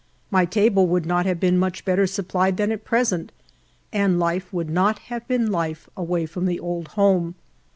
My table would not have been much better supplied than at present, and life would not have been life away from the old home.